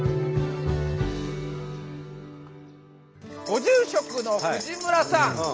ご住職の藤村さん。